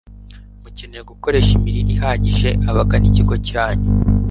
Mukeneye gukoresha imirire ihagije abagana ikigo cyanyu